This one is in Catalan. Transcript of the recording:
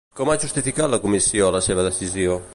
Com ha justificat la Comissió la seva decisió?